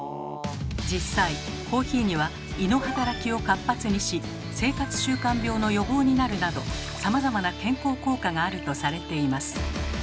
実際コーヒーには胃の働きを活発にし生活習慣病の予防になるなどさまざまな健康効果があるとされています。